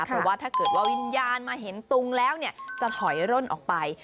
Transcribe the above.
เพราะว่าถ้าเกิดว่าวิญญาณมาเห็นตุงแล้วจะถอยร่นออกไป